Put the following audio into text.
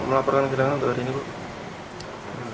melaporkan kehilangan dari ini kok